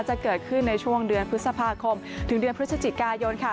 จะเกิดขึ้นในช่วงเดือนพฤษภาคมถึงเดือนพฤศจิกายนค่ะ